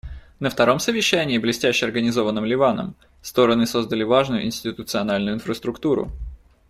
На втором совещании, блестяще организованном Ливаном, стороны создали важную институциональную инфраструктуру.